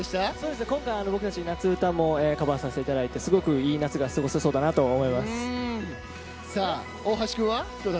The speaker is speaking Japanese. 今回、僕たち夏うたもカバーさせていただいていい夏が過ごせそうだなと大橋君は？